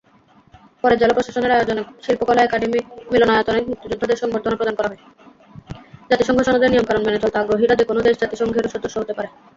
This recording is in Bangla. জাতিসংঘ সনদের নিয়মকানুন মেনে চলতে আগ্রহী যেকোনো দেশ জাতিসংঘের সদস্য হতে পারে।